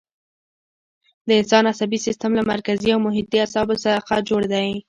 د انسان عصبي سیستم له مرکزي او محیطي اعصابو څخه جوړ دی.